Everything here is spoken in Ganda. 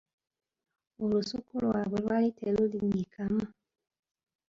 Olusuku lwabwe lwali terulinnyikamu.